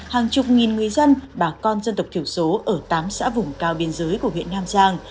hàng chục nghìn người dân bà con dân tộc thiểu số ở tám xã vùng cao biên giới của huyện nam giang